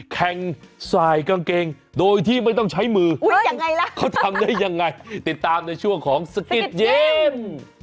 แข่งสายกางเกงโดยที่ไม่ต้องใช้มือเขาทำได้ยังไงติดตามในช่วงของสกิตเยม